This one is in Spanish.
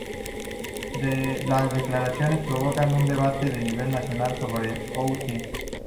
Las declaraciones provocaron un debate a nivel nacional sobre el "outing".